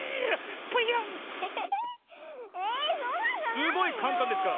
すごいかんたんですから。